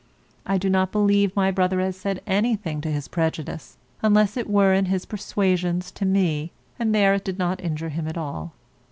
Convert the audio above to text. I do not believe my brother has said anything to his prejudice, unless it were in his persuasions to me, and there it did not injure him at all.